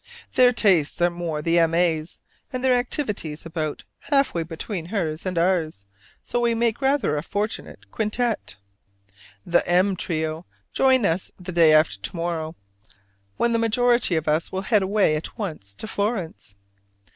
Their tastes are more the M. A.'s, and their activities about halfway between hers and ours, so we make rather a fortunate quintette. The M trio join us the day after to morrow, when the majority of us will head away at once to Florence.